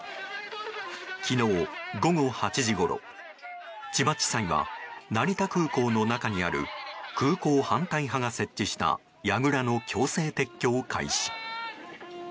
昨日午後８時ごろ、千葉地裁は成田空港の中にある空港反対派が設置したやぐらの強制撤去を開始。